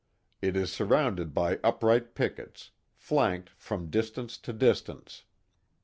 It is surrounded by upright pickets, flanked from distance to distance.